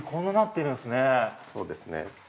そうですね。